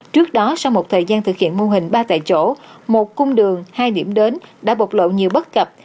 trước đó sau một thời gian thực hiện mô hình ba tại chỗ một cung đường hai điểm đến đã bộc lộ nhiều bất cập